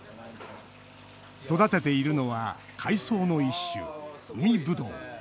育てているのは海藻の一種、海ぶどう。